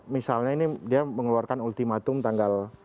misalnya ini dia mengeluarkan ultimatum tanggal empat belas